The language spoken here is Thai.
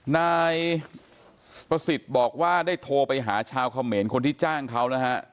นายประสิทธิ์บอกว่าได้โทรไปหาชาวเขมรคนที่จ้างเขานะฮะ